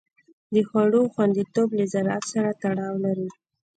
د خوړو خوندیتوب له زراعت سره تړاو لري.